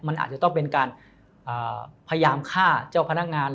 มันอาจจะต้องเป็นการพยายามฆ่าเจ้าพนักงาน